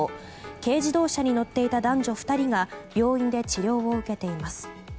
軽自動車に乗っていた男女２人が病院で治療を受けています。